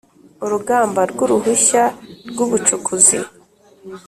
Urugamba Ry Uruhushya Rw Ubucukuzi